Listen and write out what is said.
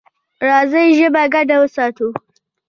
راځئ ژبه ګډه وساتو.